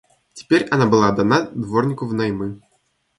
Теперь она была отдана дворнику внаймы.